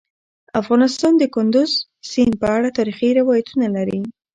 افغانستان د کندز سیند په اړه تاریخي روایتونه لري.